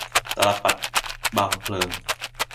ตาลปัตรบังเพลิง